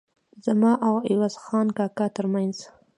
زما او عوض خان کاکا ترمنځ.